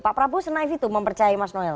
pak prabowo senaif itu mempercayai mas noel